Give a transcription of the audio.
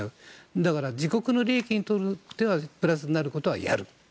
だから自国の利益にとってはプラスになることはやる。